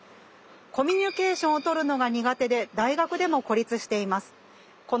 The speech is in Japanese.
「コミュニケーションを取るのが苦手で大学でも孤立しています。